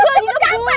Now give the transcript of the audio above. iya dia mau cepet cepet